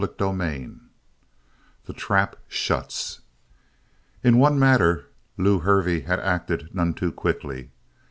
CHAPTER XX THE TRAP SHUTS In one matter Lew Hervey had acted none too quickly.